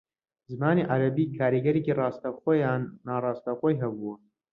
زمانی عەرەبی کاریگەرییەکی ڕاستەوخۆ یان ناڕاستەوخۆیی ھەبووە